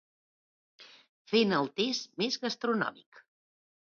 Fent el test més gastronòmic.